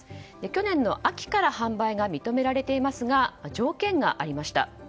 去年の秋から販売が認められていますが条件がありました。